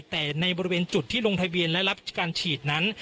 แต่ในบริเวณจุดที่ลงทะเบียนและรับการฉีดนั้น